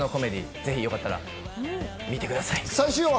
ぜひよかったら見てください。